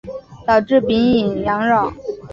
导致丙寅洋扰。